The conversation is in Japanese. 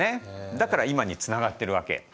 だから今につながってるわけ。